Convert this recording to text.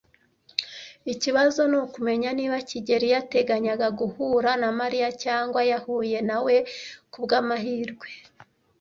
Ikibazo ni ukumenya niba kigeli yateganyaga guhura na Mariya cyangwa yahuye na we ku bw'amahirwe.